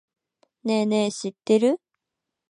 ねぇねぇ、知ってる？